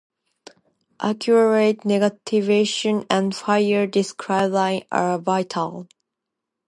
Accurate navigation and fire discipline are vital.